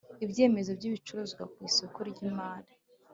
Ibyemezo by ibicuruzwa ku isoko ry imari